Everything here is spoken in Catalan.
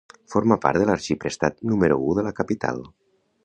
Forma part de l'arxiprestat número u de la capital.